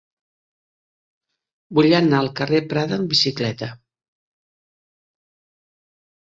Vull anar al carrer de Prada amb bicicleta.